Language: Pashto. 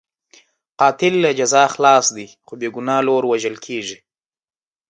قاتل له جزا خلاص دی، خو بې ګناه لور وژل کېږي.